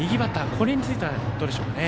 これについてはどうでしょうかね。